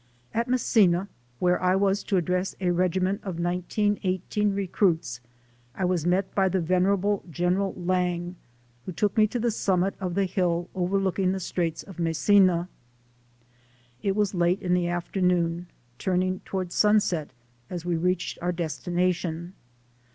At Messina, where I was to address a regiment of 1918 recruits, I was met by the venerable General Lang, who took me to the summit of the hill overlooking the Straits of Messina. It was late in the afternoon, turning to ward sunset, as we reached our destination.